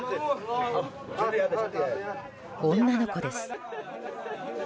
女の子です。